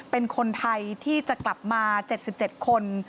เป็นคนไทยที่จะกลับมา๗๗คน